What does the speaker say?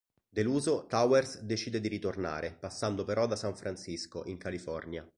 Deluso, Towers decide di ritornare, passando però da San Francisco, in California.